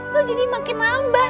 lo jadi makin lambah